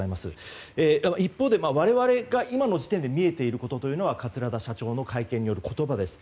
一方、我々が今の時点で見えていることは桂田社長の会見による言葉です。